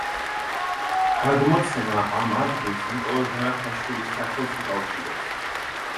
გადმოცემა ამ ადგილს ნიკოლოზ ბარათაშვილის სახელს უკავშირებს.